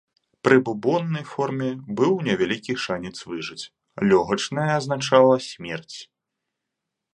Пры бубоннай форме быў невялікі шанец выжыць, лёгачная азначала смерць.